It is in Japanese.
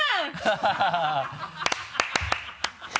ハハハ